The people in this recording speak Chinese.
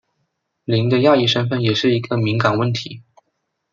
林的亚裔身份也是一个敏感问题。